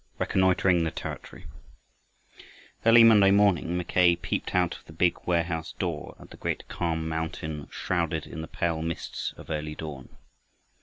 RECONNOITERING THE TERRITORY Early Monday morning Mackay peeped out of the big warehouse door at the great calm mountain shrouded in the pale mists of early dawn.